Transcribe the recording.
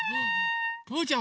ぷうちゃん